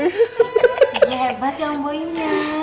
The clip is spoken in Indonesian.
iya hebat ya om boim ya